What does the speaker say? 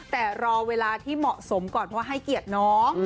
แต่รอเวลาที่เหมาะสมก่อนเพราะให้เกียรติน้อง